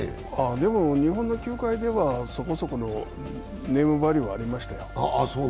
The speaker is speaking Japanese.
でも日本の球界ではそこそこのネームバリューがありましたよ。